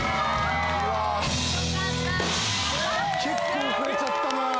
結構遅れちゃったな。